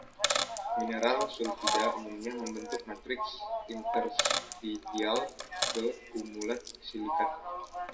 Mineral sulfida umumnya membentuk matriks interstitial ke kumulat silikat.